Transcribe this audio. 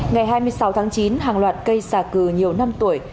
ngày hai mươi sáu tháng chín hàng loạt cây xà cừ nhiều năm tuổi